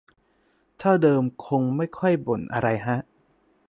เท่าเดิมคงไม่ค่อยบ่นอะไรฮะ